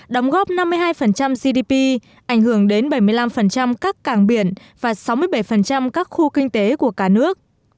đóng góp năm mươi hai gdp ảnh hưởng đến bảy mươi năm các cảng biển và sáu mươi bảy các khu kinh tế của cả nước